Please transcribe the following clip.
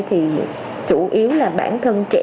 thì chủ yếu là bản thân